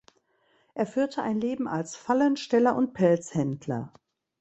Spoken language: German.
Er führte ein Leben als Fallensteller und Pelzhändler.